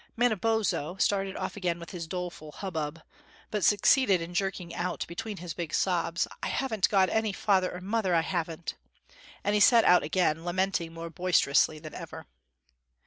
Manabozho started off again with his doleful hubbub; but succeeded in jerking out between his big sobs, "I haven't got any father or mother; I haven't," and he set out again lamenting more boisterously than ever.